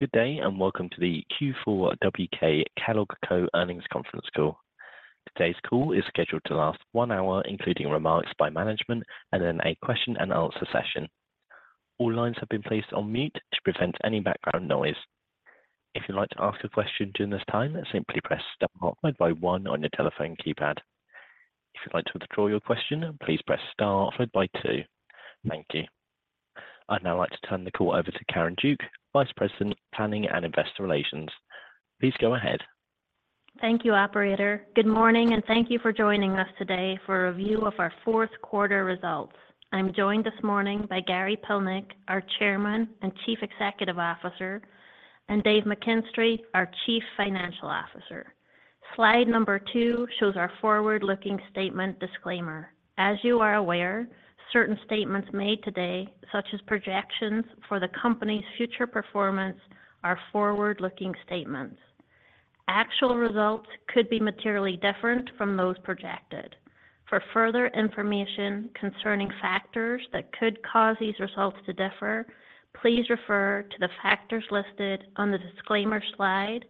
Good day and welcome to the Q4 WK Kellogg Co Earnings Conference call. Today's call is scheduled to last one hour, including remarks by management and then a question-and-answer session. All lines have been placed on mute to prevent any background noise. If you'd like to ask a question during this time, simply press star followed by one on your telephone keypad. If you'd like to withdraw your question, please press star followed by two. Thank you. I'd now like to turn the call over to Karen Duke, Vice President, Planning and Investor Relations. Please go ahead. Thank you, Operator. Good morning, and thank you for joining us today for a review of our fourth quarter results. I'm joined this morning by Gary Pilnick, our Chairman and Chief Executive Officer, and Dave McKinstray, our Chief Financial Officer. Slide number two shows our forward-looking statement disclaimer. As you are aware, certain statements made today, such as projections for the company's future performance, are forward-looking statements. Actual results could be materially different from those projected. For further information concerning factors that could cause these results to differ, please refer to the factors listed on the disclaimer slide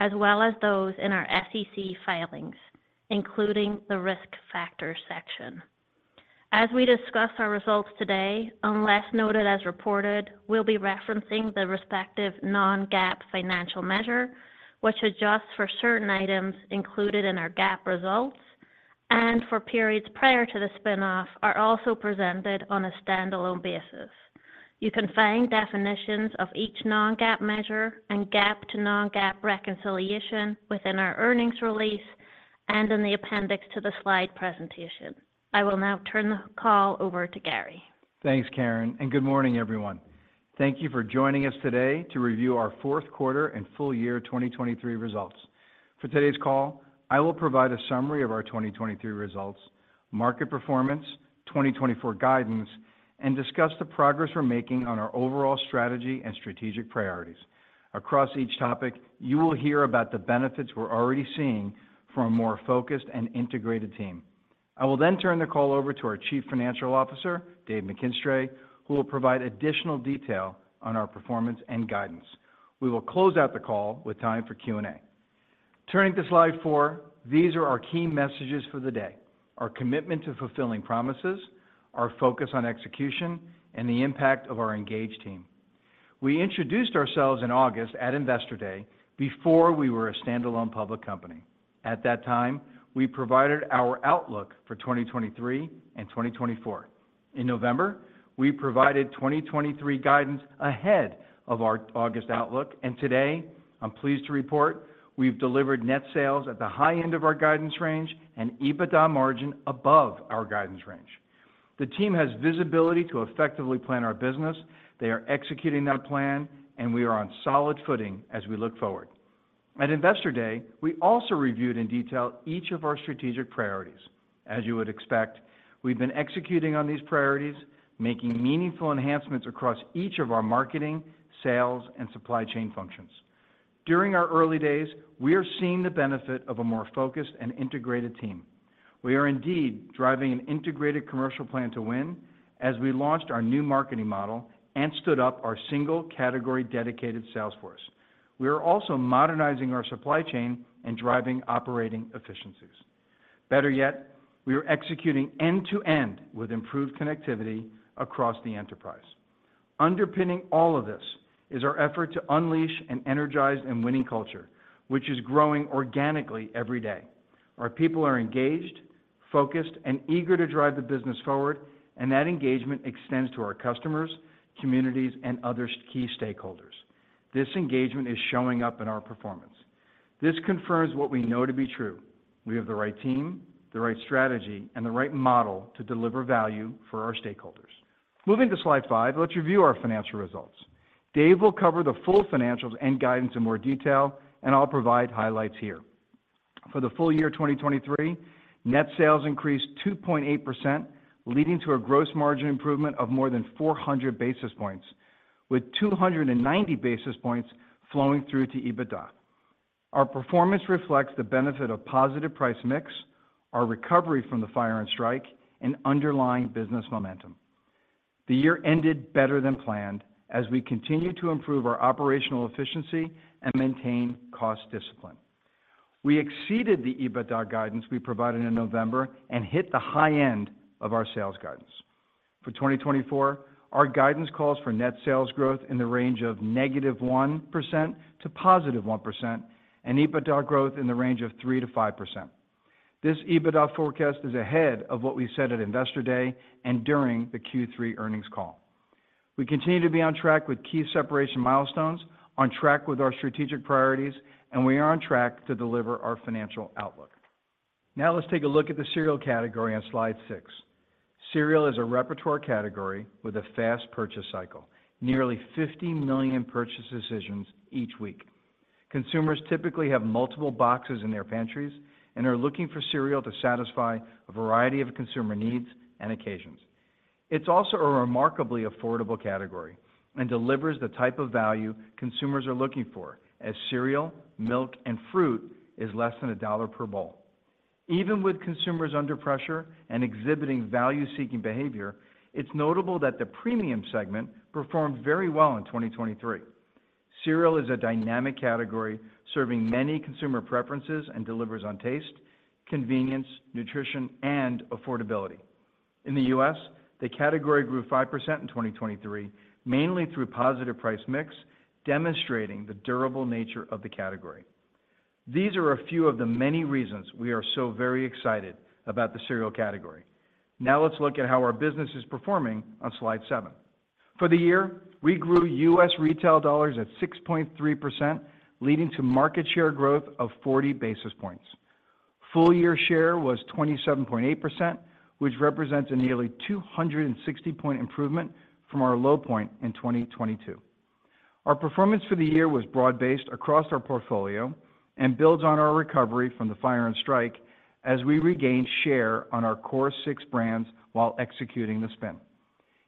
as well as those in our SEC filings, including the risk factors section. As we discuss our results today, unless noted as reported, we'll be referencing the respective non-GAAP financial measure, which adjusts for certain items included in our GAAP results, and for periods prior to the spinoff are also presented on a standalone basis. You can find definitions of each non-GAAP measure and GAAP-to-non-GAAP reconciliation within our earnings release and in the appendix to the slide presentation. I will now turn the call over to Gary. Thanks, Karen, and good morning, everyone. Thank you for joining us today to review our fourth quarter and full year 2023 results. For today's call, I will provide a summary of our 2023 results, market performance, 2024 guidance, and discuss the progress we're making on our overall strategy and strategic priorities. Across each topic, you will hear about the benefits we're already seeing from a more focused and integrated team. I will then turn the call over to our Chief Financial Officer, Dave McKinstray, who will provide additional detail on our performance and guidance. We will close out the call with time for Q&A. Turning to slide four, these are our key messages for the day: our commitment to fulfilling promises, our focus on execution, and the impact of our engaged team. We introduced ourselves in August at Investor Day before we were a standalone public company. At that time, we provided our outlook for 2023 and 2024. In November, we provided 2023 guidance ahead of our August outlook, and today, I'm pleased to report, we've delivered net sales at the high end of our guidance range and EBITDA margin above our guidance range. The team has visibility to effectively plan our business. They are executing that plan, and we are on solid footing as we look forward. At Investor Day, we also reviewed in detail each of our strategic priorities. As you would expect, we've been executing on these priorities, making meaningful enhancements across each of our marketing, sales, and supply chain functions. During our early days, we are seeing the benefit of a more focused and integrated team. We are indeed driving an integrated commercial plan to win as we launched our new marketing model and stood up our single category dedicated sales force. We are also modernizing our supply chain and driving operating efficiencies. Better yet, we are executing end-to-end with improved connectivity across the enterprise. Underpinning all of this is our effort to unleash an energized and winning culture, which is growing organically every day. Our people are engaged, focused, and eager to drive the business forward, and that engagement extends to our customers, communities, and other key stakeholders. This engagement is showing up in our performance. This confirms what we know to be true: we have the right team, the right strategy, and the right model to deliver value for our stakeholders. Moving to slide five, let's review our financial results. Dave will cover the full financials and guidance in more detail, and I'll provide highlights here. For the full year 2023, net sales increased 2.8%, leading to a gross margin improvement of more than 400 basis points, with 290 basis points flowing through to EBITDA. Our performance reflects the benefit of positive price mix, our recovery from the fire and strike, and underlying business momentum. The year ended better than planned as we continue to improve our operational efficiency and maintain cost discipline. We exceeded the EBITDA guidance we provided in November and hit the high end of our sales guidance. For 2024, our guidance calls for net sales growth in the range of -1% to +1% and EBITDA growth in the range of 3%-5%. This EBITDA forecast is ahead of what we said at Investor Day and during the Q3 earnings call. We continue to be on track with key separation milestones, on track with our strategic priorities, and we are on track to deliver our financial outlook. Now let's take a look at the cereal category on slide six. Cereal is a repertoire category with a fast purchase cycle, nearly 50 million purchase decisions each week. Consumers typically have multiple boxes in their pantries and are looking for cereal to satisfy a variety of consumer needs and occasions. It's also a remarkably affordable category and delivers the type of value consumers are looking for, as cereal, milk, and fruit is less than $1 per bowl. Even with consumers under pressure and exhibiting value-seeking behavior, it's notable that the premium segment performed very well in 2023. Cereal is a dynamic category serving many consumer preferences and delivers on taste, convenience, nutrition, and affordability. In the U.S., the category grew 5% in 2023, mainly through positive price mix, demonstrating the durable nature of the category. These are a few of the many reasons we are so very excited about the cereal category. Now let's look at how our business is performing on slide seven. For the year, we grew U.S. retail dollars at 6.3%, leading to market share growth of 40 basis points. Full-year share was 27.8%, which represents a nearly 260-point improvement from our low point in 2022. Our performance for the year was broad-based across our portfolio and builds on our recovery from the fire and strike as we regained share on our core six brands while executing the spin.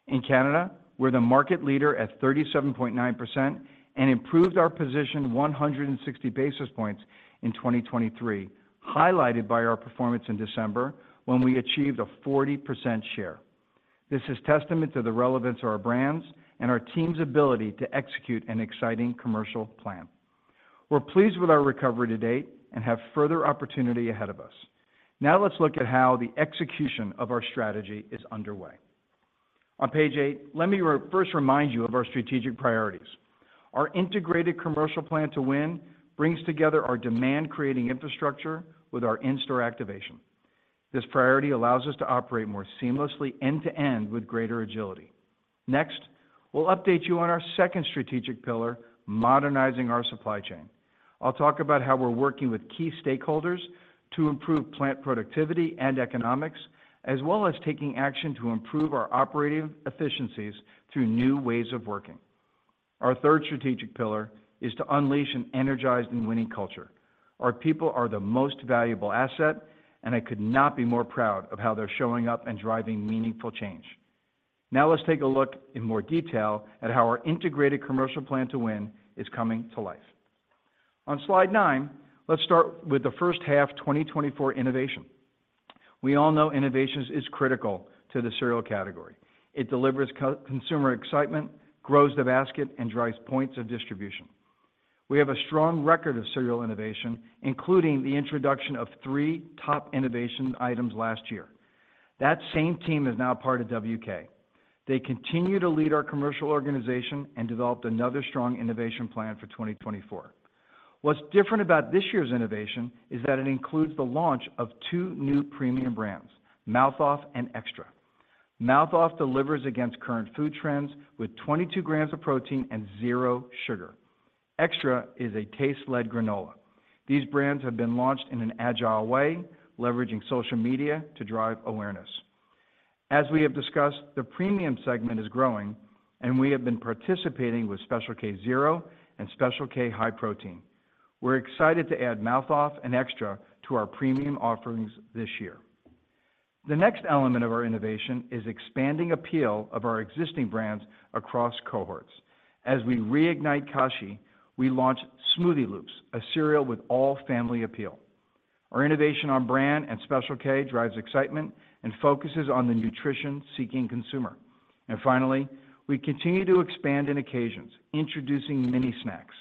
In Canada, we're the market leader at 37.9% and improved our position 160 basis points in 2023, highlighted by our performance in December when we achieved a 40% share. This is testament to the relevance of our brands and our team's ability to execute an exciting commercial plan. We're pleased with our recovery to date and have further opportunity ahead of us. Now let's look at how the execution of our strategy is underway. On page eight, let me first remind you of our strategic priorities. Our integrated commercial plan to win brings together our demand-creating infrastructure with our in-store activation. This priority allows us to operate more seamlessly end-to-end with greater agility. Next, we'll update you on our second strategic pillar, modernizing our supply chain. I'll talk about how we're working with key stakeholders to improve plant productivity and economics, as well as taking action to improve our operating efficiencies through new ways of working. Our third strategic pillar is to unleash an energized and winning culture. Our people are the most valuable asset, and I could not be more proud of how they're showing up and driving meaningful change. Now let's take a look in more detail at how our integrated commercial plan to win is coming to life. On slide 9, let's start with the first half 2024 innovation. We all know innovation is critical to the cereal category. It delivers consumer excitement, grows the basket, and drives points of distribution. We have a strong record of cereal innovation, including the introduction of three top innovation items last year. That same team is now part of WK. They continue to lead our commercial organization and developed another strong innovation plan for 2024. What's different about this year's innovation is that it includes the launch of two new premium brands, Mouth Off and Extra. Mouth Off delivers against current food trends with 22 grams of protein and zero sugar. Extra is a taste-led granola. These brands have been launched in an agile way, leveraging social media to drive awareness. As we have discussed, the premium segment is growing, and we have been participating with Special K Zero and Special K High Protein. We're excited to add Mouth Off and Extra to our premium offerings this year. The next element of our innovation is expanding appeal of our existing brands across cohorts. As we reignite Kashi, we launched Smoothie Loops, a cereal with all-family appeal. Our innovation on Bran and Special K drives excitement and focuses on the nutrition-seeking consumer. Finally, we continue to expand in occasions, introducing mini snacks.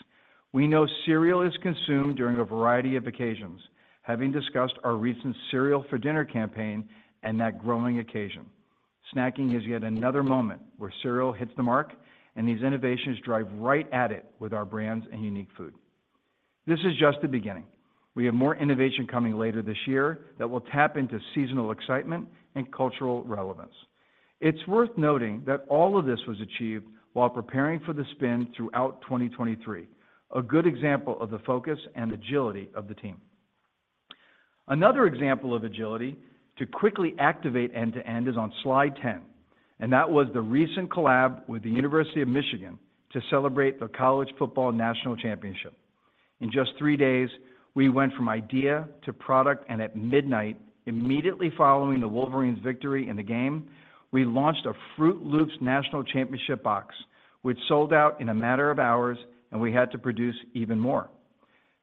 We know cereal is consumed during a variety of occasions, having discussed our recent Cereal for Dinner campaign and that growing occasion. Snacking is yet another moment where cereal hits the mark, and these innovations drive right at it with our brands and unique food. This is just the beginning. We have more innovation coming later this year that will tap into seasonal excitement and cultural relevance. It's worth noting that all of this was achieved while preparing for the spin throughout 2023, a good example of the focus and agility of the team. Another example of agility to quickly activate end-to-end is on slide 10, and that was the recent collab with the University of Michigan to celebrate the College Football National Championship. In just three days, we went from idea to product, and at midnight, immediately following the Wolverines' victory in the game, we launched a Froot Loops National Championship box, which sold out in a matter of hours, and we had to produce even more.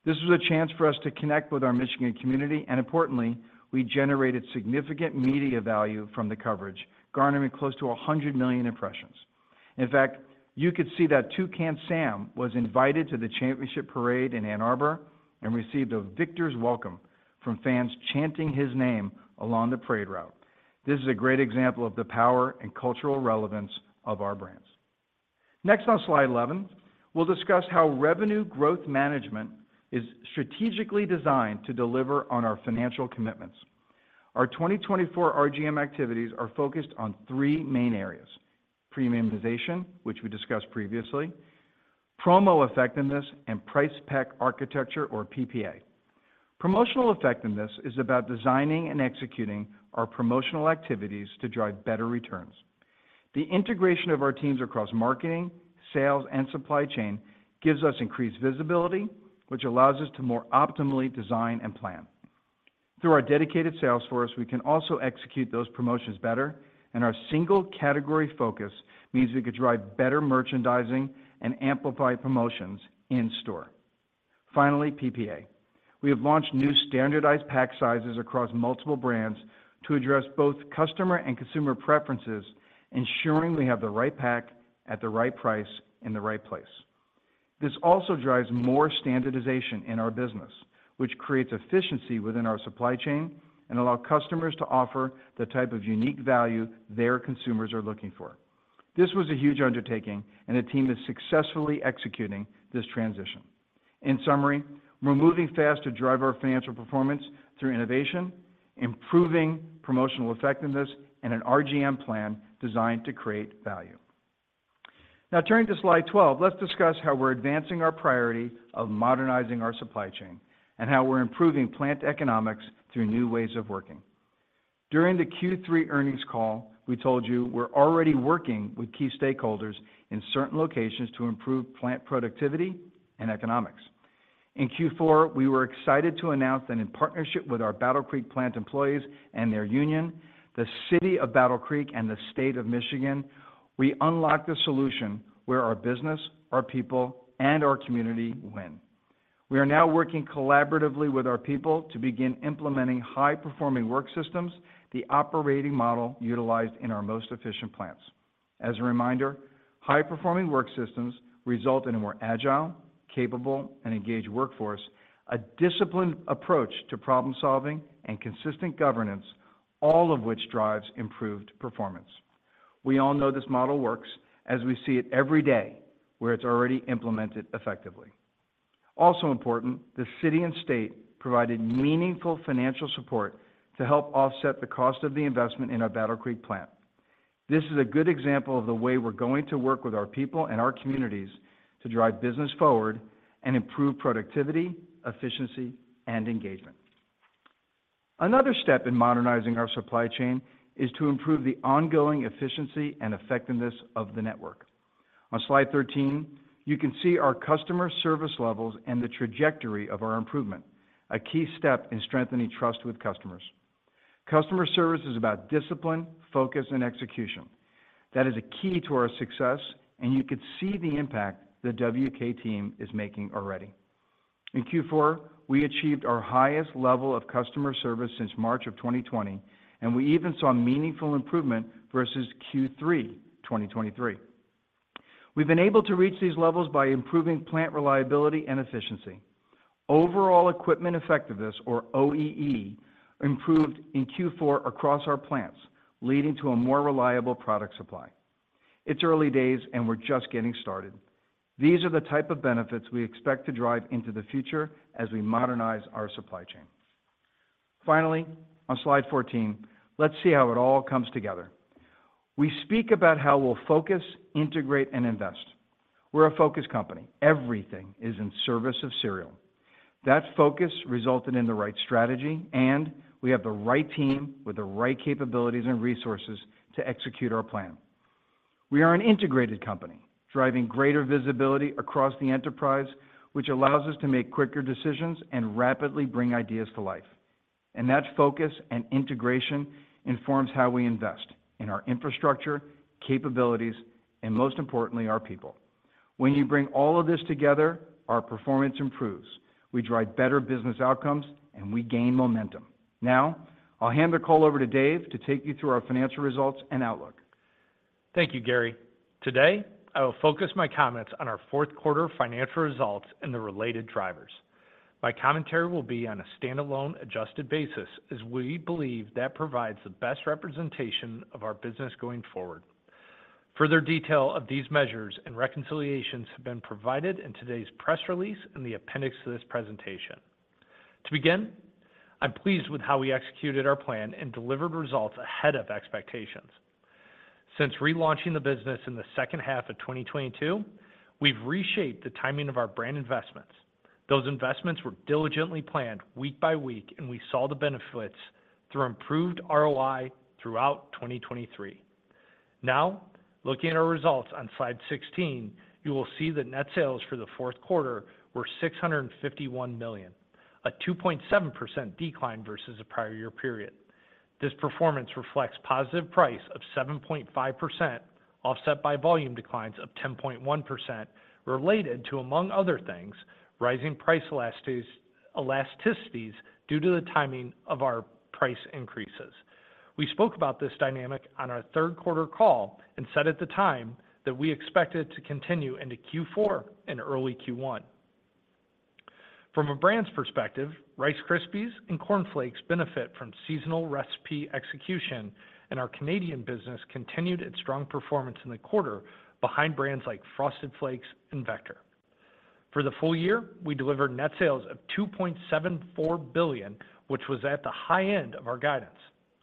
This was a chance for us to connect with our Michigan community, and importantly, we generated significant media value from the coverage, garnering close to 100 million impressions. In fact, you could see that Toucan Sam was invited to the championship parade in Ann Arbor and received a victor's welcome from fans chanting his name along the parade route. This is a great example of the power and cultural relevance of our brands. Next on slide 11, we'll discuss how revenue growth management is strategically designed to deliver on our financial commitments. Our 2024 RGM activities are focused on three main areas: premiumization, which we discussed previously; promo effectiveness; and Price Pack Architecture, or PPA. Promotional effectiveness is about designing and executing our promotional activities to drive better returns. The integration of our teams across marketing, sales, and supply chain gives us increased visibility, which allows us to more optimally design and plan. Through our dedicated sales force, we can also execute those promotions better, and our single category focus means we could drive better merchandising and amplify promotions in-store. Finally, PPA. We have launched new standardized pack sizes across multiple brands to address both customer and consumer preferences, ensuring we have the right pack at the right price in the right place. This also drives more standardization in our business, which creates efficiency within our supply chain and allows customers to offer the type of unique value their consumers are looking for. This was a huge undertaking, and the team is successfully executing this transition. In summary, we're moving fast to drive our financial performance through innovation, improving promotional effectiveness, and an RGM plan designed to create value. Now, turning to slide 12, let's discuss how we're advancing our priority of modernizing our supply chain and how we're improving plant economics through new ways of working. During the Q3 earnings call, we told you we're already working with key stakeholders in certain locations to improve plant productivity and economics. In Q4, we were excited to announce that in partnership with our Battle Creek plant employees and their union, the City of Battle Creek and the State of Michigan, we unlocked a solution where our business, our people, and our community win. We are now working collaboratively with our people to begin implementing high-performing work systems, the operating model utilized in our most efficient plants. As a reminder, high-performing work systems result in a more agile, capable, and engaged workforce, a disciplined approach to problem-solving, and consistent governance, all of which drives improved performance. We all know this model works as we see it every day where it's already implemented effectively. Also important, the City and State provided meaningful financial support to help offset the cost of the investment in our Battle Creek plant. This is a good example of the way we're going to work with our people and our communities to drive business forward and improve productivity, efficiency, and engagement. Another step in modernizing our supply chain is to improve the ongoing efficiency and effectiveness of the network. On slide 13, you can see our customer service levels and the trajectory of our improvement, a key step in strengthening trust with customers. Customer service is about discipline, focus, and execution. That is a key to our success, and you could see the impact the WK team is making already. In Q4, we achieved our highest level of customer service since March of 2020, and we even saw meaningful improvement versus Q3 2023. We've been able to reach these levels by improving plant reliability and efficiency. Overall Equipment Effectiveness, or OEE, improved in Q4 across our plants, leading to a more reliable product supply. It's early days, and we're just getting started. These are the type of benefits we expect to drive into the future as we modernize our supply chain. Finally, on slide 14, let's see how it all comes together. We speak about how we'll focus, integrate, and invest. We're a focused company. Everything is in service of cereal. That focus resulted in the right strategy, and we have the right team with the right capabilities and resources to execute our plan. We are an integrated company, driving greater visibility across the enterprise, which allows us to make quicker decisions and rapidly bring ideas to life. And that focus and integration informs how we invest in our infrastructure, capabilities, and most importantly, our people. When you bring all of this together, our performance improves. We drive better business outcomes, and we gain momentum. Now, I'll hand the call over to Dave to take you through our financial results and outlook. Thank you, Gary. Today, I will focus my comments on our fourth-quarter financial results and the related drivers. My commentary will be on a standalone, adjusted basis, as we believe that provides the best representation of our business going forward. Further detail of these measures and reconciliations have been provided in today's press release and the appendix to this presentation. To begin, I'm pleased with how we executed our plan and delivered results ahead of expectations. Since relaunching the business in the second half of 2022, we've reshaped the timing of our brand investments. Those investments were diligently planned week by week, and we saw the benefits through improved ROI throughout 2023. Now, looking at our results on slide 16, you will see that net sales for the fourth quarter were $651 million, a 2.7% decline versus a prior year period. This performance reflects positive price of 7.5%, offset by volume declines of 10.1% related to, among other things, rising price elasticities due to the timing of our price increases. We spoke about this dynamic on our third-quarter call and said at the time that we expect it to continue into Q4 and early Q1. From a brand's perspective, Rice Krispies and Corn Flakes benefit from seasonal recipe execution, and our Canadian business continued its strong performance in the quarter behind brands like Frosted Flakes and Vector. For the full year, we delivered net sales of $2.74 billion, which was at the high end of our guidance,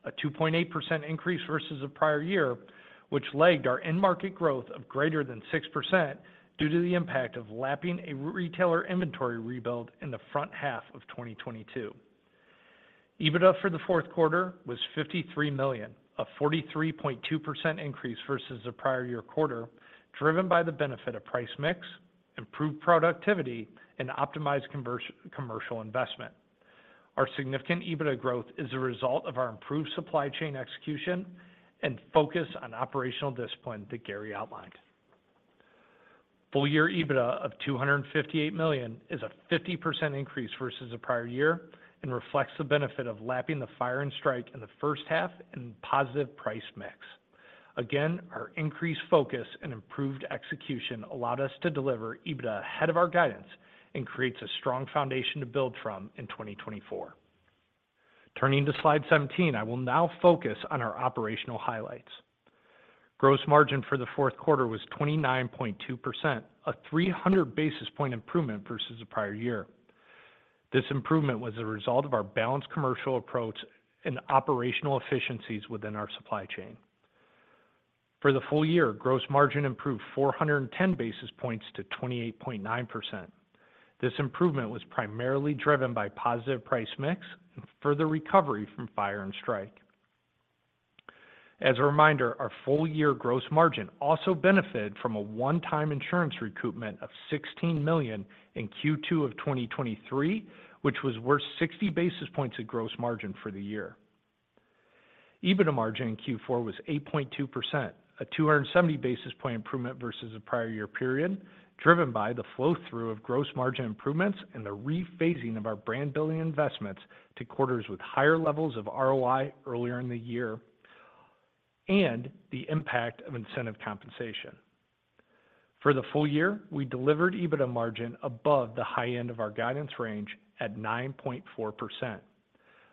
a 2.8% increase versus a prior year, which lagged our end-market growth of greater than 6% due to the impact of lapping a retailer inventory rebuild in the front half of 2022. EBITDA for the fourth quarter was $53 million, a 43.2% increase versus a prior year quarter, driven by the benefit of price mix, improved productivity, and optimized commercial investment. Our significant EBITDA growth is a result of our improved supply chain execution and focus on operational discipline that Gary outlined. Full-year EBITDA of $258 million is a 50% increase versus a prior year and reflects the benefit of lapping the fire and strike in the first half and positive price mix. Again, our increased focus and improved execution allowed us to deliver EBITDA ahead of our guidance and creates a strong foundation to build from in 2024. Turning to slide 17, I will now focus on our operational highlights. Gross margin for the fourth quarter was 29.2%, a 300 basis point improvement versus a prior year. This improvement was a result of our balanced commercial approach and operational efficiencies within our supply chain. For the full year, gross margin improved 410 basis points to 28.9%. This improvement was primarily driven by positive price mix and further recovery from fire and strike. As a reminder, our full-year gross margin also benefited from a one-time insurance recoupment of $16 million in Q2 of 2023, which was worth 60 basis points of gross margin for the year. EBITDA margin in Q4 was 8.2%, a 270-basis-point improvement versus a prior year period, driven by the flow-through of gross margin improvements and the rephasing of our brand building investments to quarters with higher levels of ROI earlier in the year and the impact of incentive compensation. For the full year, we delivered EBITDA margin above the high end of our guidance range at 9.4%,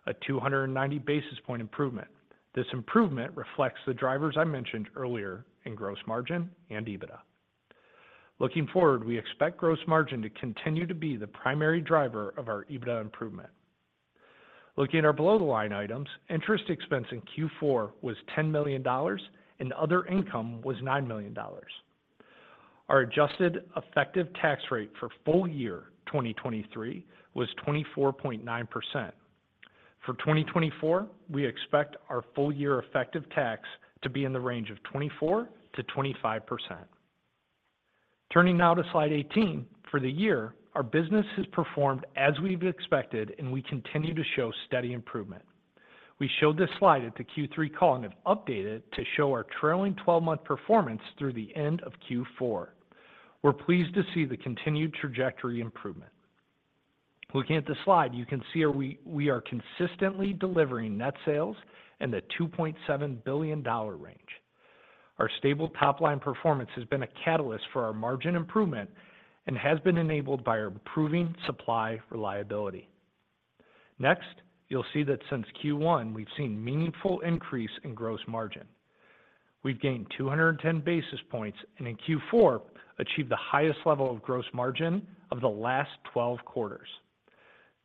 a 290-basis-point improvement. This improvement reflects the drivers I mentioned earlier in gross margin and EBITDA. Looking forward, we expect gross margin to continue to be the primary driver of our EBITDA improvement. Looking at our below-the-line items, interest expense in Q4 was $10 million, and other income was $9 million. Our adjusted effective tax rate for full year 2023 was 24.9%. For 2024, we expect our full-year effective tax to be in the range of 24%-25%. Turning now to slide 18, for the year, our business has performed as we've expected, and we continue to show steady improvement. We showed this slide at the Q3 call and have updated it to show our trailing 12-month performance through the end of Q4. We're pleased to see the continued trajectory improvement. Looking at the slide, you can see we are consistently delivering net sales in the $2.7 billion range. Our stable top-line performance has been a catalyst for our margin improvement and has been enabled by our improving supply reliability. Next, you'll see that since Q1, we've seen meaningful increase in gross margin. We've gained 210 basis points and in Q4 achieved the highest level of gross margin of the last 12 quarters.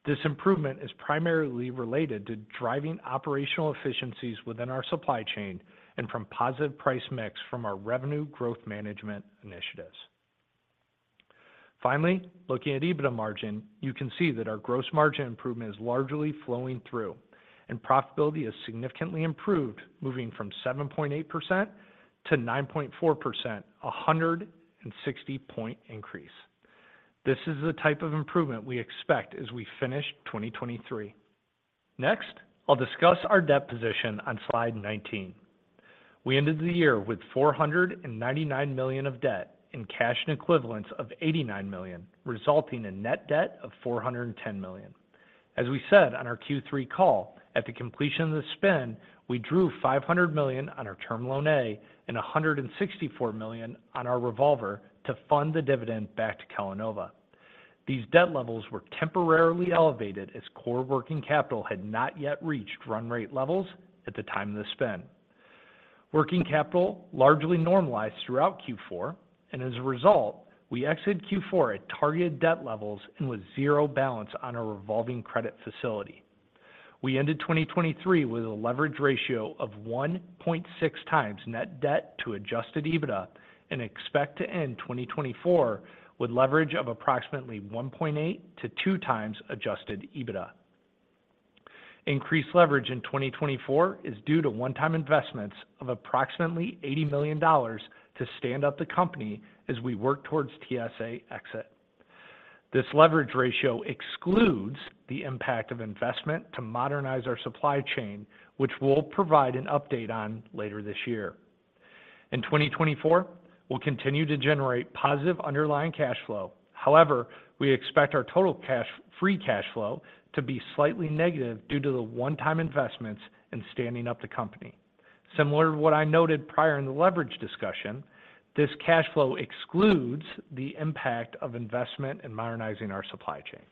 This improvement is primarily related to driving operational efficiencies within our supply chain and from positive price mix from our revenue growth management initiatives. Finally, looking at EBITDA margin, you can see that our gross margin improvement is largely flowing through, and profitability has significantly improved, moving from 7.8% to 9.4%, a 160-point increase. This is the type of improvement we expect as we finish 2023. Next, I'll discuss our debt position on slide 19. We ended the year with $499 million of debt in cash and equivalents of $89 million, resulting in net debt of $410 million. As we said on our Q3 call, at the completion of the spin, we drew $500 million on our Term Loan A and $164 million on our revolver to fund the dividend back to Kellanova. These debt levels were temporarily elevated as core working capital had not yet reached run-rate levels at the time of the spin. Working capital largely normalized throughout Q4, and as a result, we exited Q4 at targeted debt levels and with zero balance on our revolving credit facility. We ended 2023 with a leverage ratio of 1.6x net debt to Adjusted EBITDA and expect to end 2024 with leverage of approximately 1.8x-2x Adjusted EBITDA. Increased leverage in 2024 is due to one-time investments of approximately $80 million to stand up the company as we work towards TSA exit. This leverage ratio excludes the impact of investment to modernize our supply chain, which we'll provide an update on later this year. In 2024, we'll continue to generate positive underlying cash flow. However, we expect our total free cash flow to be slightly negative due to the one-time investments in standing up the company. Similar to what I noted prior in the leverage discussion, this cash flow excludes the impact of investment in modernizing our supply chain.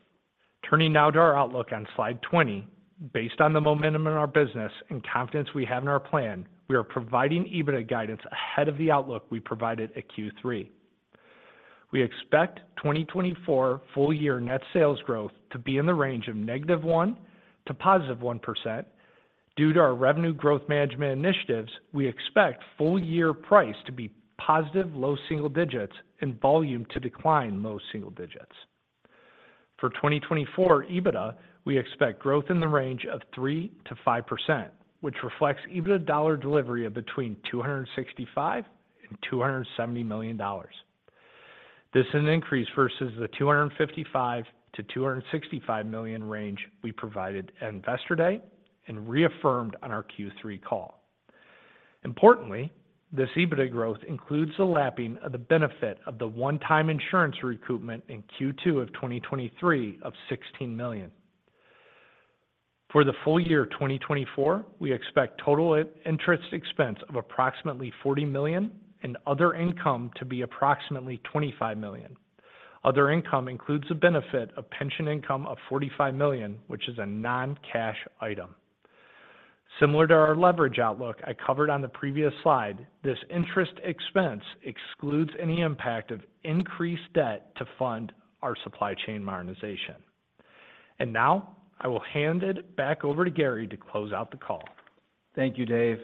Turning now to our outlook on slide 20, based on the momentum in our business and confidence we have in our plan, we are providing EBITDA guidance ahead of the outlook we provided at Q3. We expect 2024 full-year net sales growth to be in the range of -1% to +1%. Due to our revenue growth management initiatives, we expect full-year price to be positive low single digits and volume to decline low single digits. For 2024 EBITDA, we expect growth in the range of 3%-5%, which reflects EBITDA dollar delivery of between $265 million and $270 million. This is an increase versus the $255 million-$265 million range we provided yesterday and reaffirmed on our Q3 call. Importantly, this EBITDA growth includes the lapping of the benefit of the one-time insurance recoupment in Q2 of 2023 of $16 million. For the full year 2024, we expect total interest expense of approximately $40 million and other income to be approximately $25 million. Other income includes the benefit of pension income of $45 million, which is a non-cash item. Similar to our leverage outlook I covered on the previous slide, this interest expense excludes any impact of increased debt to fund our supply chain modernization. Now, I will hand it back over to Gary to close out the call. Thank you, Dave.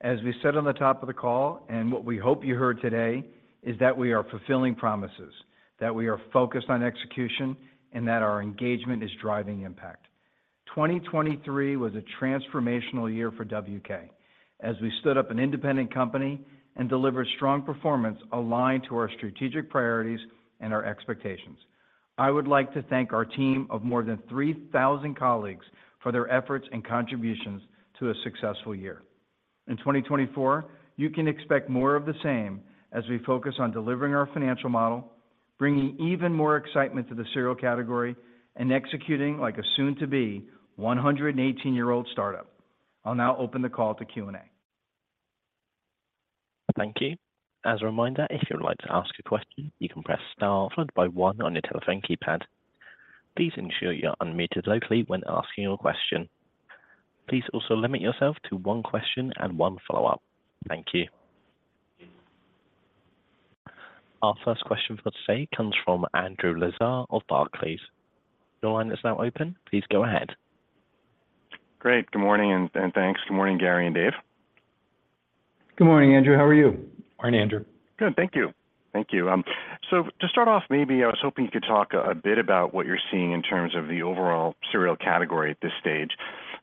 As we said on the top of the call and what we hope you heard today, is that we are fulfilling promises, that we are focused on execution, and that our engagement is driving impact. 2023 was a transformational year for WK as we stood up an independent company and delivered strong performance aligned to our strategic priorities and our expectations. I would like to thank our team of more than 3,000 colleagues for their efforts and contributions to a successful year. In 2024, you can expect more of the same as we focus on delivering our financial model, bringing even more excitement to the cereal category, and executing like a soon-to-be 118-year-old startup. I'll now open the call to Q&A. Thank you. As a reminder, if you'd like to ask a question, you can press star followed by one on your telephone keypad. Please ensure you're unmuted locally when asking your question. Please also limit yourself to one question and one follow-up. Thank you. Our first question for today comes from Andrew Lazar of Barclays. Your line is now open. Please go ahead. Great. Good morning and thanks. Good morning, Gary and Dave. Good morning, Andrew. How are you? Morning, Andrew. Good. Thank you. Thank you. So to start off, maybe I was hoping you could talk a bit about what you're seeing in terms of the overall cereal category at this stage.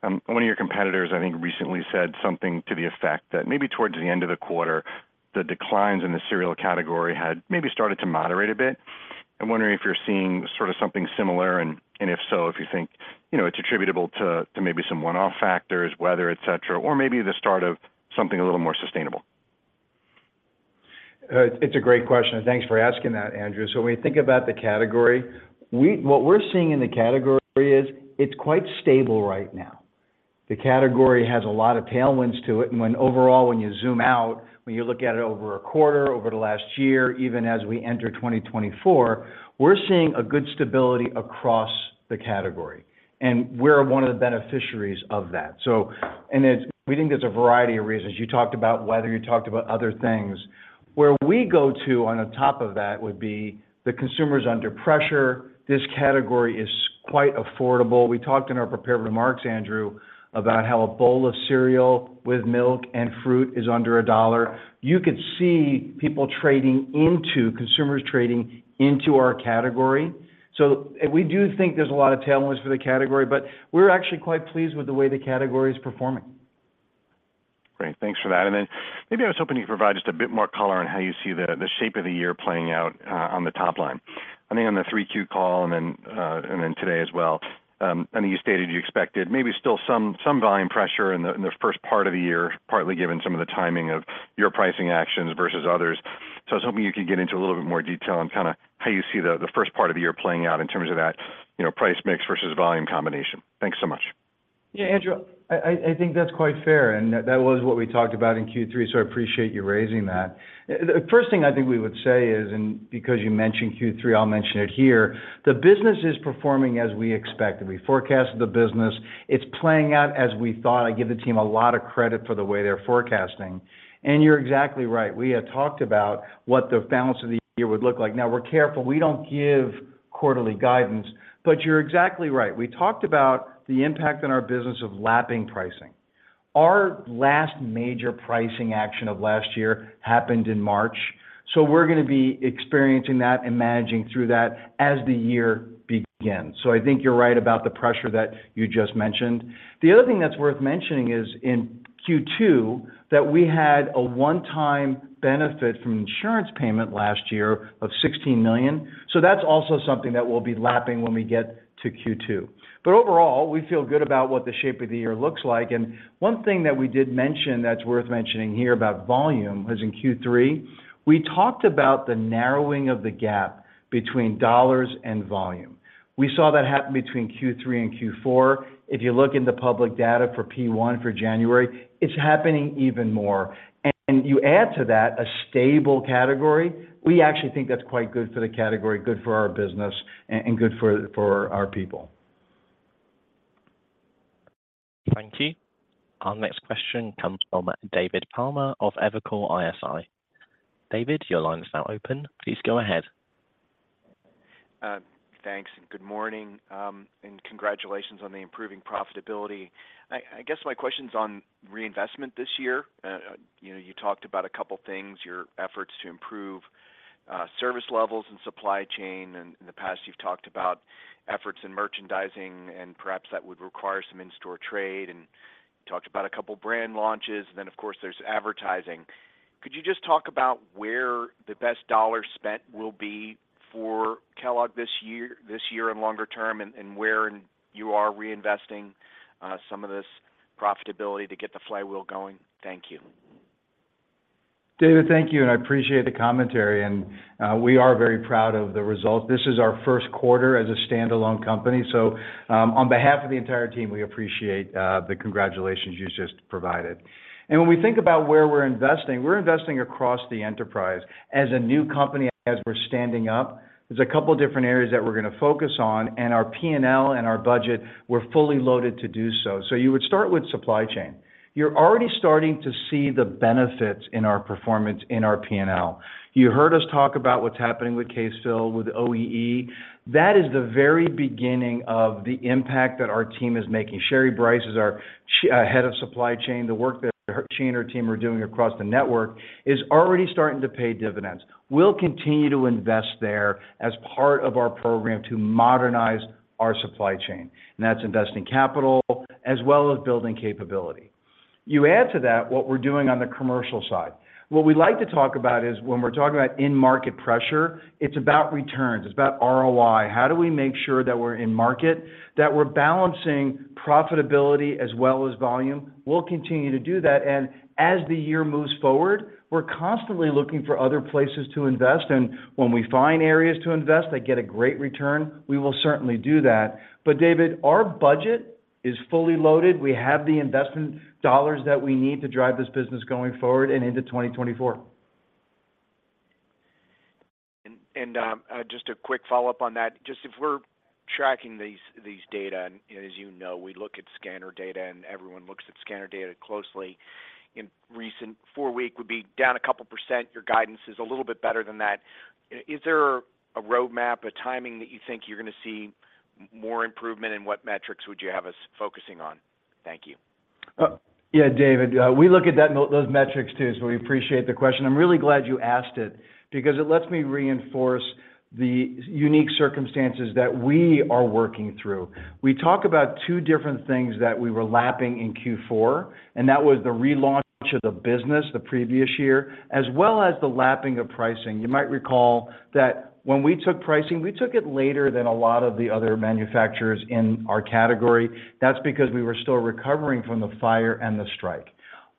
One of your competitors, I think, recently said something to the effect that maybe towards the end of the quarter, the declines in the cereal category had maybe started to moderate a bit. I'm wondering if you're seeing sort of something similar and if so, if you think it's attributable to maybe some one-off factors, weather, etc., or maybe the start of something a little more sustainable? It's a great question. Thanks for asking that, Andrew. So when you think about the category, what we're seeing in the category is it's quite stable right now. The category has a lot of tailwinds to it. And overall, when you zoom out, when you look at it over a quarter, over the last year, even as we enter 2024, we're seeing a good stability across the category. And we're one of the beneficiaries of that. And we think there's a variety of reasons. You talked about weather. You talked about other things. Where we go to on the top of that would be the consumer's under pressure. This category is quite affordable. We talked in our prepared remarks, Andrew, about how a bowl of cereal with milk and fruit is under $1. You could see people trading into, consumers trading into our category. We do think there's a lot of tailwinds for the category, but we're actually quite pleased with the way the category is performing. Great. Thanks for that. And then maybe I was hoping you could provide just a bit more color on how you see the shape of the year playing out on the top line. I think on the 3Q call and then today as well, I think you stated you expected maybe still some volume pressure in the first part of the year, partly given some of the timing of your pricing actions versus others. So I was hoping you could get into a little bit more detail on kind of how you see the first part of the year playing out in terms of that price mix versus volume combination. Thanks so much. Yeah, Andrew. I think that's quite fair. That was what we talked about in Q3, so I appreciate you raising that. The first thing I think we would say is, and because you mentioned Q3, I'll mention it here, the business is performing as we expected. We forecasted the business. It's playing out as we thought. I give the team a lot of credit for the way they're forecasting. You're exactly right. We had talked about what the balance of the year would look like. Now, we're careful. We don't give quarterly guidance. You're exactly right. We talked about the impact on our business of lapping pricing. Our last major pricing action of last year happened in March. We're going to be experiencing that and managing through that as the year begins. I think you're right about the pressure that you just mentioned. The other thing that's worth mentioning is, in Q2, that we had a one-time benefit from insurance payment last year of $16 million. So that's also something that we'll be lapping when we get to Q2. But overall, we feel good about what the shape of the year looks like. And one thing that we did mention that's worth mentioning here about volume was in Q3. We talked about the narrowing of the gap between dollars and volume. We saw that happen between Q3 and Q4. If you look in the public data for P1 for January, it's happening even more. And you add to that a stable category, we actually think that's quite good for the category, good for our business, and good for our people. Thank you. Our next question comes from David Palmer of Evercore ISI. David, your line is now open. Please go ahead. Thanks and good morning. Congratulations on the improving profitability. I guess my question's on reinvestment this year. You talked about a couple of things, your efforts to improve service levels and supply chain. In the past, you've talked about efforts in merchandising, and perhaps that would require some in-store trade. You talked about a couple of brand launches. Then, of course, there's advertising. Could you just talk about where the best dollar spent will be for Kellogg this year and longer term, and where you are reinvesting some of this profitability to get the flywheel going? Thank you. David, thank you. And I appreciate the commentary. And we are very proud of the results. This is our first quarter as a standalone company. So on behalf of the entire team, we appreciate the congratulations you just provided. And when we think about where we're investing, we're investing across the enterprise. As a new company, as we're standing up, there's a couple of different areas that we're going to focus on. And our P&L and our budget, we're fully loaded to do so. So you would start with supply chain. You're already starting to see the benefits in our performance in our P&L. You heard us talk about what's happening with Case Fill, with OEE. That is the very beginning of the impact that our team is making. Sherry Brice is our head of supply chain. The work that she and her team are doing across the network is already starting to pay dividends. We'll continue to invest there as part of our program to modernize our supply chain. And that's investing capital as well as building capability. You add to that what we're doing on the commercial side. What we like to talk about is when we're talking about in-market pressure, it's about returns. It's about ROI. How do we make sure that we're in market, that we're balancing profitability as well as volume? We'll continue to do that. And as the year moves forward, we're constantly looking for other places to invest. And when we find areas to invest that get a great return, we will certainly do that. But David, our budget is fully loaded. We have the investment dollars that we need to drive this business going forward and into 2024. Just a quick follow-up on that. Just if we're tracking these data, and as you know, we look at scanner data and everyone looks at scanner data closely. In recent four weeks, we'd be down a couple of %. Your guidance is a little bit better than that. Is there a roadmap, a timing that you think you're going to see more improvement, and what metrics would you have us focusing on? Thank you. Yeah, David. We look at those metrics too, so we appreciate the question. I'm really glad you asked it because it lets me reinforce the unique circumstances that we are working through. We talk about two different things that we were lapping in Q4, and that was the relaunch of the business the previous year, as well as the lapping of pricing. You might recall that when we took pricing, we took it later than a lot of the other manufacturers in our category. That's because we were still recovering from the fire and the strike.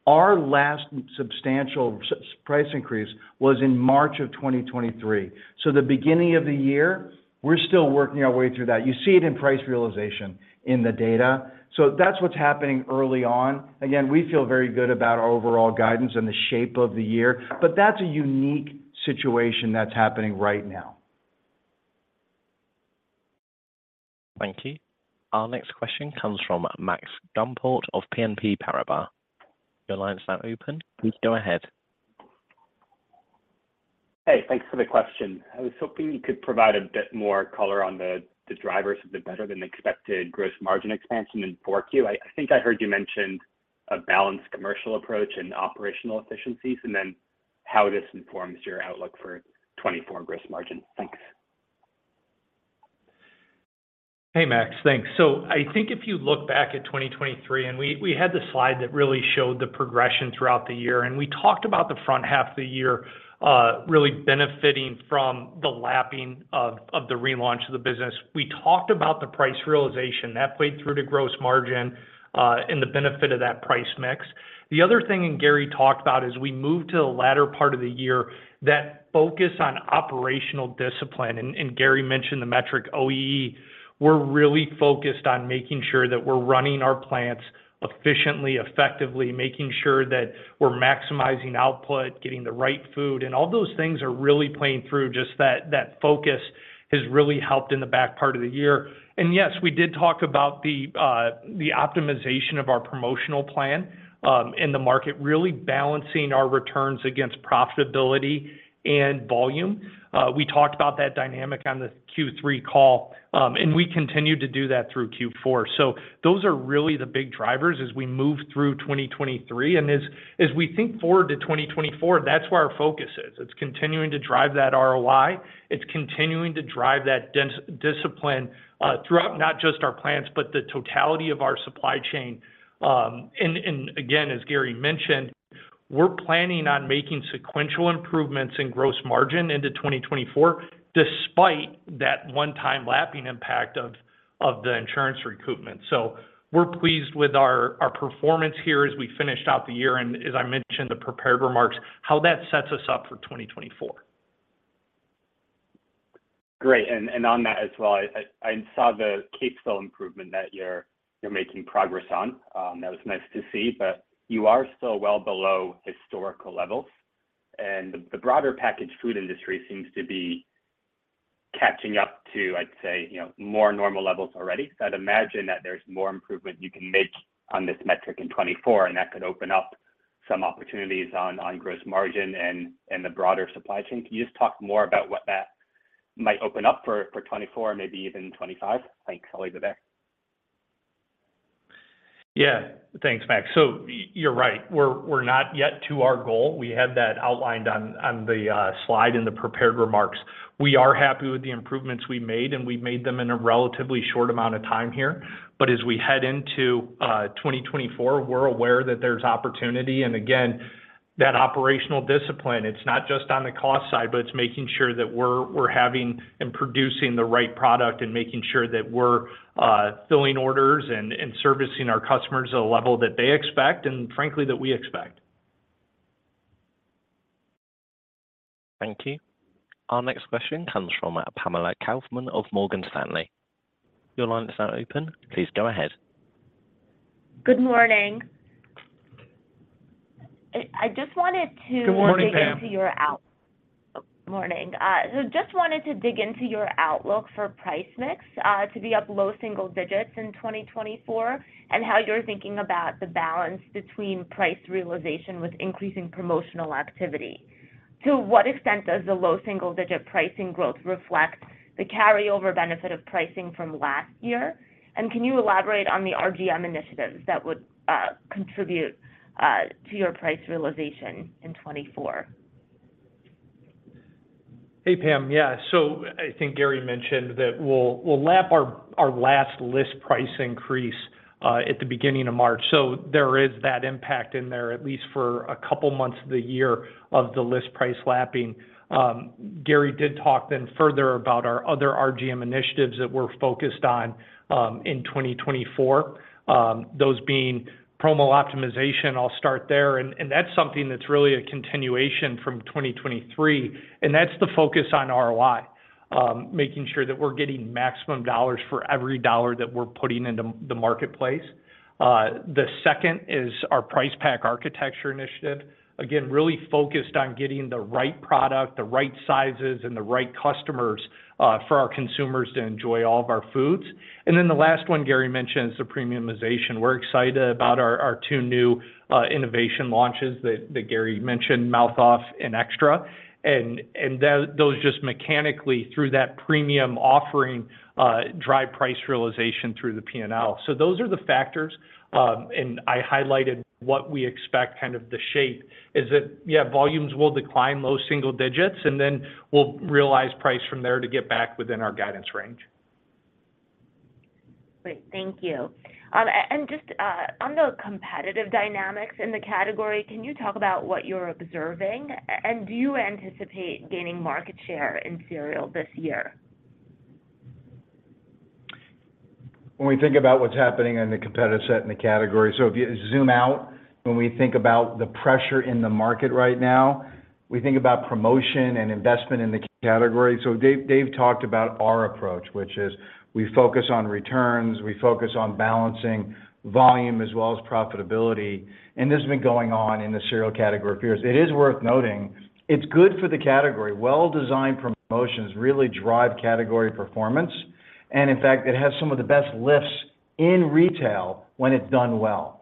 Our last substantial price increase was in March of 2023. So the beginning of the year, we're still working our way through that. You see it in price realization in the data. So that's what's happening early on. Again, we feel very good about our overall guidance and the shape of the year. But that's a unique situation that's happening right now. Thank you. Our next question comes from Max Gumport of BNP Paribas. Your line is now open. Please go ahead. Hey, thanks for the question. I was hoping you could provide a bit more color on the drivers of the better-than-expected gross margin expansion in 4Q. I think I heard you mentioned a balanced commercial approach and operational efficiencies, and then how this informs your outlook for 2024 gross margin. Thanks. Hey, Max. Thanks. So I think if you look back at 2023, and we had the slide that really showed the progression throughout the year. And we talked about the front half of the year really benefiting from the lapping of the relaunch of the business. We talked about the price realization. That played through to gross margin and the benefit of that price mix. The other thing Gary talked about is we moved to the latter part of the year that focused on operational discipline. And Gary mentioned the metric OEE. We're really focused on making sure that we're running our plants efficiently, effectively, making sure that we're maximizing output, getting the right food. And all those things are really playing through. Just that focus has really helped in the back part of the year. Yes, we did talk about the optimization of our promotional plan in the market, really balancing our returns against profitability and volume. We talked about that dynamic on the Q3 call. We continue to do that through Q4. Those are really the big drivers as we move through 2023. As we think forward to 2024, that's where our focus is. It's continuing to drive that ROI. It's continuing to drive that discipline throughout, not just our plants, but the totality of our supply chain. Again, as Gary mentioned, we're planning on making sequential improvements in gross margin into 2024 despite that one-time lapping impact of the insurance recoupment. We're pleased with our performance here as we finished out the year. As I mentioned in the prepared remarks, how that sets us up for 2024. Great. And on that as well, I saw the CaseFill improvement that you're making progress on. That was nice to see. But you are still well below historical levels. And the broader packaged food industry seems to be catching up to, I'd say, more normal levels already. So I'd imagine that there's more improvement you can make on this metric in 2024, and that could open up some opportunities on gross margin and the broader supply chain. Can you just talk more about what that might open up for 2024, maybe even 2025? Thanks, ill leave you there. Yeah. Thanks, Max. So you're right. We're not yet to our goal. We had that outlined on the slide in the prepared remarks. We are happy with the improvements we made, and we made them in a relatively short amount of time here. But as we head into 2024, we're aware that there's opportunity. And again, that operational discipline, it's not just on the cost side, but it's making sure that we're having and producing the right product and making sure that we're filling orders and servicing our customers at a level that they expect and, frankly, that we expect. Thank you. Our next question comes from Pamela Kaufman of Morgan Stanley. Your line is now open. Please go ahead. Good morning. I just wanted to dig into your outlook. So just wanted to dig into your outlook for price mix to be up low single digits in 2024 and how you're thinking about the balance between price realization with increasing promotional activity. To what extent does the low single digit pricing growth reflect the carryover benefit of pricing from last year? And can you elaborate on the RGM initiatives that would contribute to your price realization in 2024? Hey, Pam. Yeah. So I think Gary mentioned that we'll lap our last list price increase at the beginning of March. So there is that impact in there, at least for a couple of months of the year of the list price lapping. Gary did talk then further about our other RGM initiatives that we're focused on in 2024, those being promo optimization. I'll start there. And that's something that's really a continuation from 2023. And that's the focus on ROI, making sure that we're getting maximum dollars for every dollar that we're putting into the marketplace. The second is our price pack architecture initiative, again, really focused on getting the right product, the right sizes, and the right customers for our consumers to enjoy all of our foods. And then the last one Gary mentioned is the premiumization. We're excited about our two new innovation launches that Gary mentioned, Mouth Off and Extra. Those just mechanically through that premium offering drive price realization through the P&L. Those are the factors. I highlighted what we expect, kind of the shape, is that, yeah, volumes will decline low single digits, and then we'll realize price from there to get back within our guidance range. Great. Thank you. And just on the competitive dynamics in the category, can you talk about what you're observing? And do you anticipate gaining market share in cereal this year? When we think about what's happening in the competitive set in the category, so if you zoom out, when we think about the pressure in the market right now, we think about promotion and investment in the category. So Dave talked about our approach, which is we focus on returns. We focus on balancing volume as well as profitability. And this has been going on in the cereal category for years. It is worth noting, it's good for the category. Well-designed promotions really drive category performance. And in fact, it has some of the best lifts in retail when it's done well.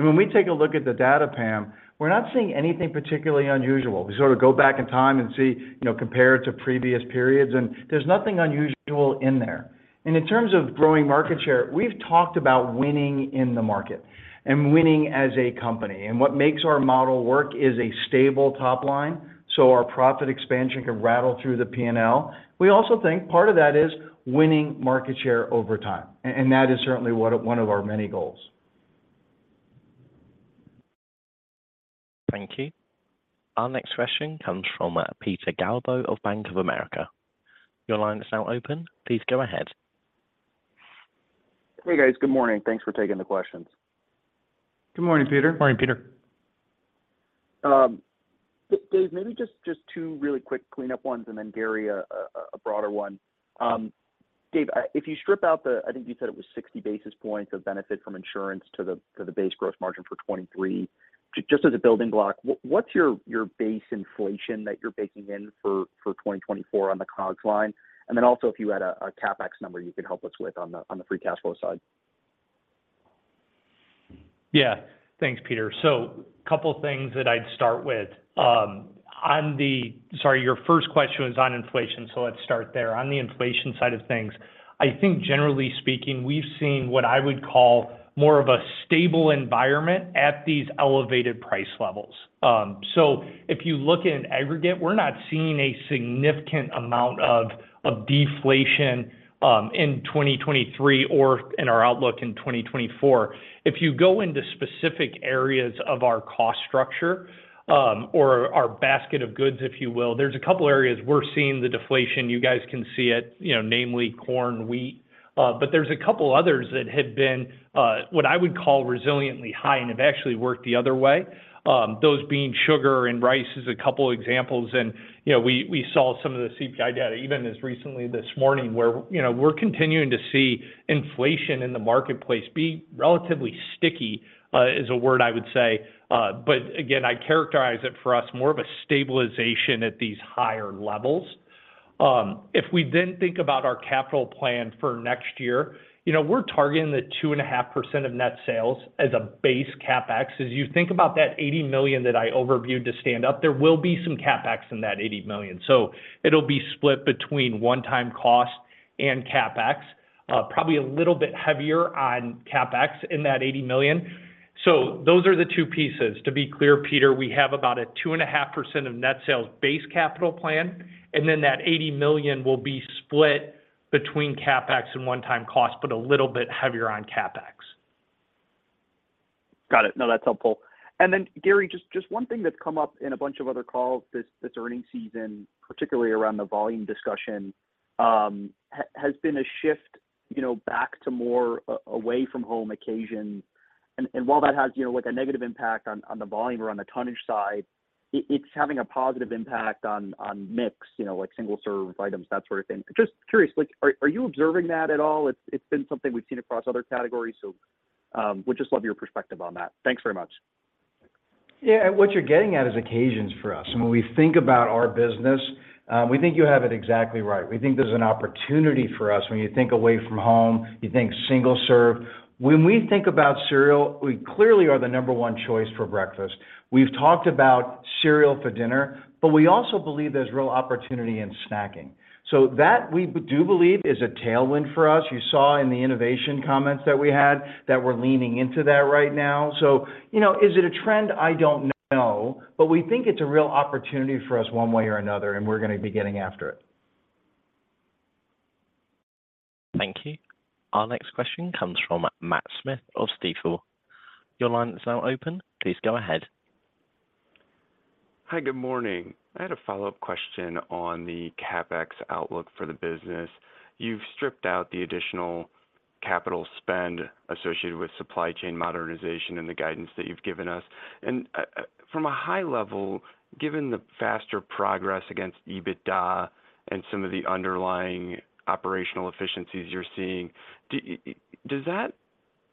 And when we take a look at the data, Pam, we're not seeing anything particularly unusual. We sort of go back in time and compare it to previous periods. And there's nothing unusual in there. In terms of growing market share, we've talked about winning in the market and winning as a company. What makes our model work is a stable top line so our profit expansion can rattle through the P&L. We also think part of that is winning market share over time. That is certainly one of our many goals. Thank you. Our next question comes from Peter Galbo of Bank of America. Your line is now open. Please go ahead. Hey, guys. Good morning. Thanks for taking the questions. Good morning, Peter. Morning, Peter. Dave, maybe just two really quick cleanup ones, and then Gary, a broader one. Dave, if you strip out the I think you said it was 60 basis points of benefit from insurance to the base gross margin for 2023, just as a building block, what's your base inflation that you're baking in for 2024 on the COGS line? And then also, if you had a CapEx number you could help us with on the free cash flow side. Yeah. Thanks, Peter. So a couple of things that I'd start with. Sorry, your first question was on inflation, so let's start there. On the inflation side of things, I think generally speaking, we've seen what I would call more of a stable environment at these elevated price levels. So if you look in aggregate, we're not seeing a significant amount of deflation in 2023 or in our outlook in 2024. If you go into specific areas of our cost structure or our basket of goods, if you will, there's a couple of areas we're seeing the deflation. You guys can see it, namely corn, wheat. But there's a couple others that had been what I would call resiliently high and have actually worked the other way. Those being sugar and rice is a couple examples. We saw some of the CPI data, even as recently this morning, where we're continuing to see inflation in the marketplace be relatively sticky is a word I would say. Again, I characterize it for us more of a stabilization at these higher levels. If we then think about our capital plan for next year, we're targeting the 2.5% of net sales as a base CapEx. As you think about that $80 million that I overviewed to stand up, there will be some CapEx in that $80 million. It'll be split between one-time cost and CapEx, probably a little bit heavier on CapEx in that $80 million. Those are the two pieces. To be clear, Peter, we have about a 2.5% of net sales base capital plan. And then that $80 million will be split between CapEx and one-time cost, but a little bit heavier on CapEx. Got it. No, that's helpful. And then, Gary, just one thing that's come up in a bunch of other calls this earnings season, particularly around the volume discussion, has been a shift back to more away-from-home occasions. And while that has a negative impact on the volume or on the tonnage side, it's having a positive impact on mix, like single-serve items, that sort of thing. Just curious, are you observing that at all? It's been something we've seen across other categories. So would just love your perspective on that. Thanks very much. Yeah. And what you're getting at is occasions for us. And when we think about our business, we think you have it exactly right. We think there's an opportunity for us. When you think away from home, you think single-serve. When we think about cereal, we clearly are the number one choice for breakfast. We've talked about cereal for dinner, but we also believe there's real opportunity in snacking. So that, we do believe, is a tailwind for us. You saw in the innovation comments that we had that we're leaning into that right now. So is it a trend? I don't know. But we think it's a real opportunity for us one way or another, and we're going to be getting after it. Thank you. Our next question comes from Matt Smith of Stifel. Your line is now open. Please go ahead. Hi. Good morning. I had a follow-up question on the CapEx outlook for the business. You've stripped out the additional capital spend associated with supply chain modernization in the guidance that you've given us. From a high level, given the faster progress against EBITDA and some of the underlying operational efficiencies you're seeing, does that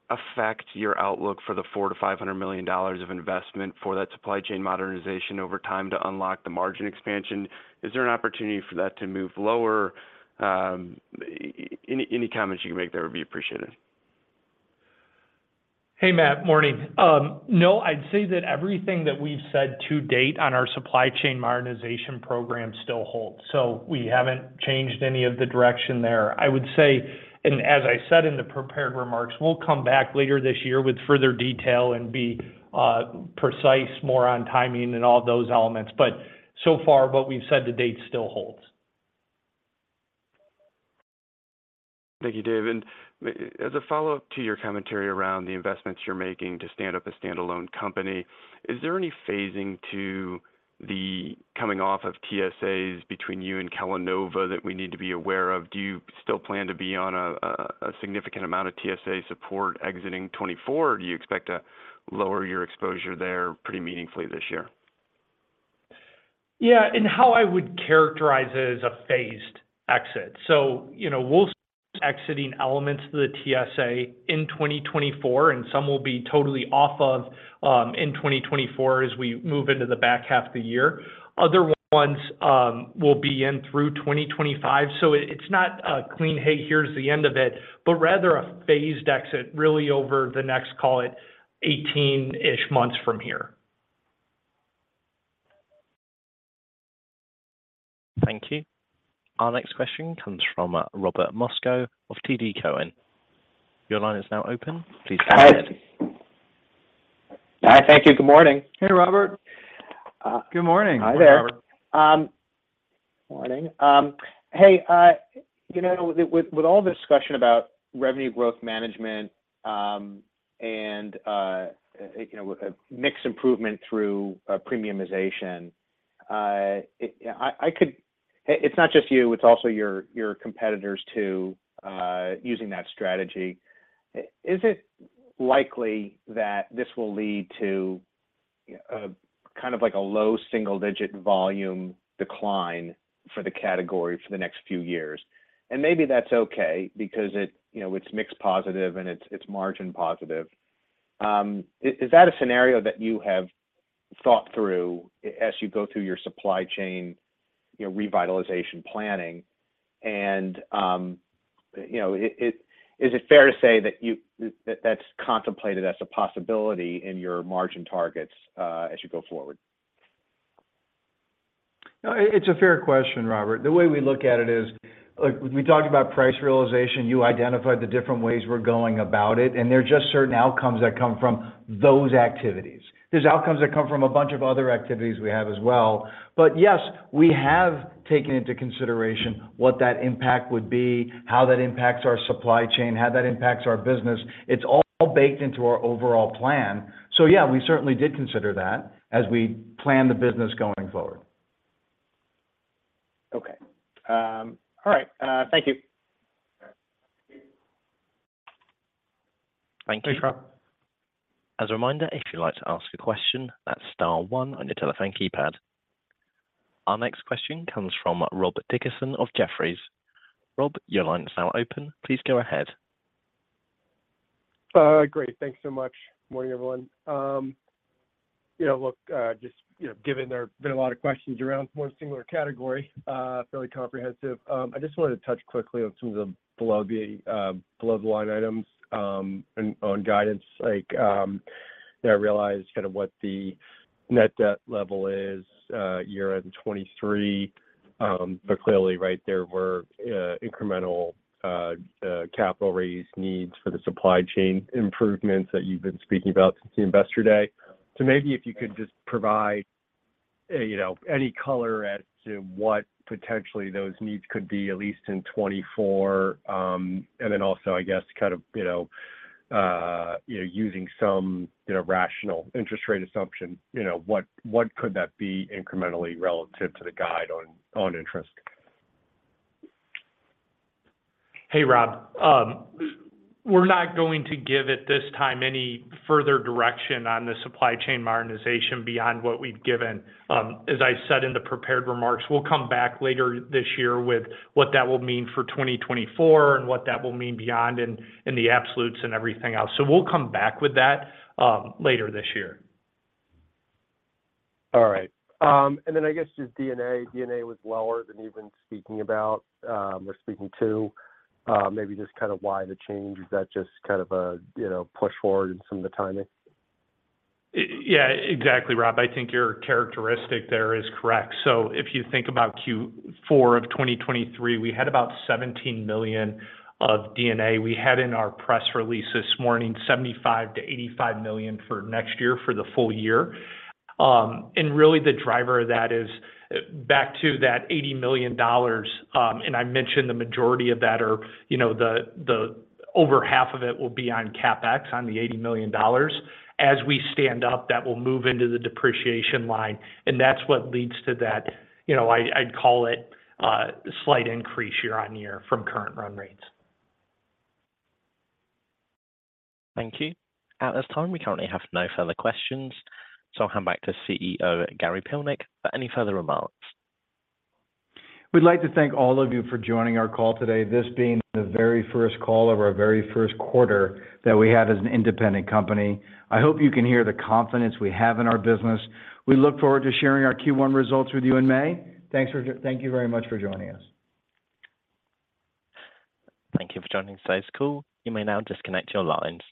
affect your outlook for the $400 million-$500 million of investment for that supply chain modernization over time to unlock the margin expansion? Is there an opportunity for that to move lower? Any comments you can make there would be appreciated. Hey, Matt. Morning. No, I'd say that everything that we've said to date on our supply chain modernization program still holds. So we haven't changed any of the direction there. I would say, and as I said in the prepared remarks, we'll come back later this year with further detail and be precise, more on timing and all those elements. But so far, what we've said to date still holds. Thank you, Dave. As a follow-up to your commentary around the investments you're making to stand up a standalone company, is there any phasing to the coming off of TSAs between you and Kellanova that we need to be aware of? Do you still plan to be on a significant amount of TSA support exiting 2024, or do you expect to lower your exposure there pretty meaningfully this year? Yeah. And how I would characterize it is a phased exit. So we'll see exiting elements of the TSA in 2024, and some will be totally off of in 2024 as we move into the back half of the year. Other ones will be in through 2025. So it's not a clean, "Hey, here's the end of it," but rather a phased exit really over the next, call it, 18-ish months from here. Thank you. Our next question comes from Robert Moskow of TD Cowen. Your line is now open. Please go ahead. Hi. Hi. Thank you. Good morning. Hey, Robert. Good morning. Hi there, Robert. Morning. Hey, with all the discussion about revenue growth management and mix improvement through premiumization, it's not just you. It's also your competitors too using that strategy. Is it likely that this will lead to kind of like a low single-digit volume decline for the category for the next few years? And maybe that's okay because it's mix positive and it's margin positive. Is that a scenario that you have thought through as you go through your supply chain revitalization planning? And is it fair to say that that's contemplated as a possibility in your margin targets as you go forward? It's a fair question, Robert. The way we look at it is we talked about price realization. You identified the different ways we're going about it. And there are just certain outcomes that come from those activities. There's outcomes that come from a bunch of other activities we have as well. But yes, we have taken into consideration what that impact would be, how that impacts our supply chain, how that impacts our business. It's all baked into our overall plan. So yeah, we certainly did consider that as we plan the business going forward. Okay. All right. Thank you. Thank you. Hey, Rob. As a reminder, if you'd like to ask a question, that's star one on your telephone keypad. Our next question comes from Rob Dickerson of Jefferies. Rob, your line is now open. Please go ahead. Great. Thanks so much. Morning, everyone. Look, just given there have been a lot of questions around one singular category, fairly comprehensive. I just wanted to touch quickly on some of the below-the-line items on guidance. I realize kind of what the net debt level is year-end 2023. But clearly, right there, were incremental capital raise needs for the supply chain improvements that you've been speaking about since the investor day. So maybe if you could just provide any color as to what potentially those needs could be, at least in 2024. Also, I guess, kind of using some rational interest rate assumption, what could that be incrementally relative to the guide on interest? Hey, Rob. We're not going to give at this time any further direction on the supply chain modernization beyond what we've given. As I said in the prepared remarks, we'll come back later this year with what that will mean for 2024 and what that will mean beyond in the absolutes and everything else. So we'll come back with that later this year. All right. And then I guess just D&A. D&A was lower than even speaking about or speaking to. Maybe just kind of why the change? Is that just kind of a push forward in some of the timing? Yeah, exactly, Rob. I think your characteristic there is correct. So if you think about Q4 of 2023, we had about $17 million of D&A. We had in our press release this morning $75 million-$85 million for next year for the full year. And really, the driver of that is back to that $80 million. And I mentioned the majority of that are the over half of it will be on CapEx, on the $80 million. As we stand up, that will move into the depreciation line. And that's what leads to that, I'd call it, slight increase year-on-year from current run rates. Thank you. At this time, we currently have no further questions. So I'll hand back to CEO Gary Pilnick for any further remarks. We'd like to thank all of you for joining our call today, this being the very first call of our very first quarter that we had as an independent company. I hope you can hear the confidence we have in our business. We look forward to sharing our Q1 results with you in May. Thank you very much for joining us. Thank you for joining this conference call. You may now disconnect your lines.